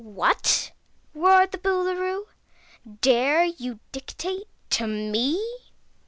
"What!" roared the Boolooroo, "dare you dictate to me?"